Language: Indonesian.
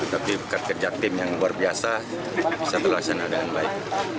tapi kerja kerja tim yang luar biasa bisa terlaksana dengan baik